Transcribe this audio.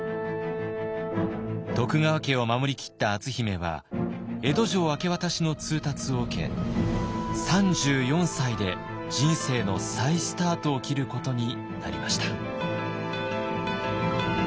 徳川家を守りきった篤姫は江戸城明け渡しの通達を受け３４歳で人生の再スタートを切ることになりました。